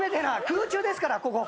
空中ですからここ。